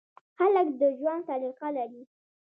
هلک د ژوند سلیقه لري.